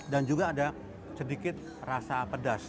dan juga ada sedikit rasa pedas